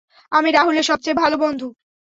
আমি রাহুলের সবচেয়ে ভালো বন্ধু।